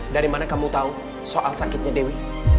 dari mana kamu tahu soal sakitnya dewi